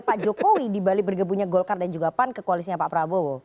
pak jokowi di balik bergembunya golkar dan juga pan ke koalisnya pak prabowo